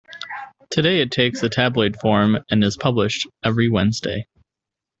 Today it takes a tabloid form and is published every Wednesday.